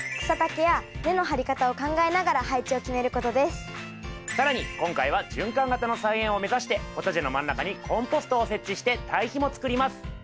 ポイントは更に今回は循環型の菜園を目指してポタジェの真ん中にコンポストを設置して堆肥もつくります。